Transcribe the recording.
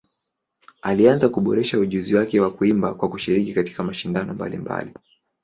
Alianza kuboresha ujuzi wake wa kuimba kwa kushiriki katika mashindano mbalimbali.